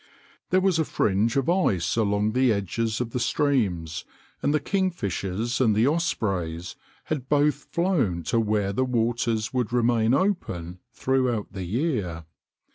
There was a fringe of ice along the edges of the streams, and the kingfishers and the ospreys had both flown to where the waters would remain open throughout the year.